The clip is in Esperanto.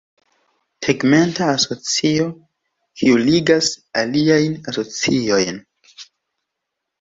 Tegmenta asocio, kiu ligas aliajn asociojn.